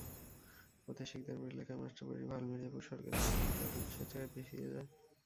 পথে সিকদারবাড়ি এলাকার মাস্টারবাড়ি-ভাওয়াল মির্জাপুর সড়কে তার ওড়নাটি অটোরিকশার চাকায় পেঁচিয়ে যায়।